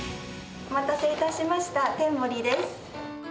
お待たせいたしました、天もりです。